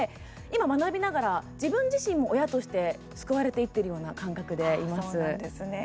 今、学びながら、自分自身も親として救われていってるようなそうなんですね。